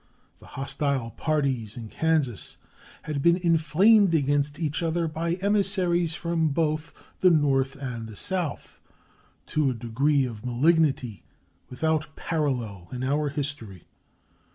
The hostile parties in Kansas had been inflamed against each other by emissaries both from the North and the South to a degree of malignity without parallel in our history.